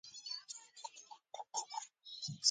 دا اصطلاح په ټولنه کې اغېز زیات و.